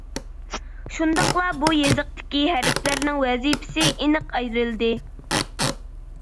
شۇنداقلا بۇ يېزىقتىكى ھەرپلەرنىڭ ۋەزىپىسى ئېنىق ئايرىلدى.